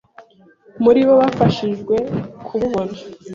Muri bo bafashijwe ku bubona